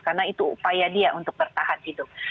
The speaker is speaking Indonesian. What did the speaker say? karena itu upaya dia untuk bertahan hidup